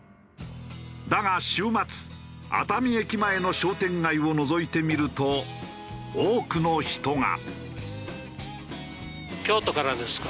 だが週末熱海駅前の商店街をのぞいてみると多くの人が。